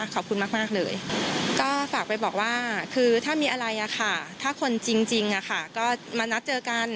ก็ฝากไปบอกว่าคือถ้ามีอะไรอ่ะค่ะถ้าคนจริงอ่ะค่ะก็มานัดเจอกัน